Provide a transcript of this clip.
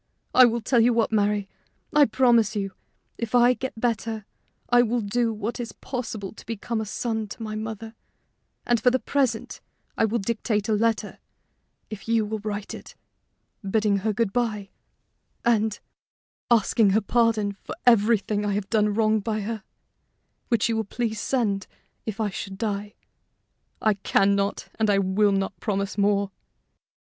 I will tell you what, Mary: I promise you, if I get better, I will do what is possible to be a son to my mother; and for the present I will dictate a letter, if you will write it, bidding her good by, and asking her pardon for everything I have done wrong by her, which you will please send if I should die. I can not and I will not promise more."